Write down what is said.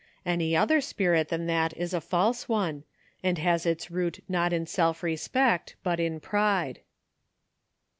Any other spirit than that is a false one, and has its root not in self respect, but in pride."